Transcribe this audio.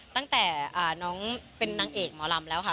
ตั้งแต่น้องเป็นนางเอกหมอลำแล้วค่ะ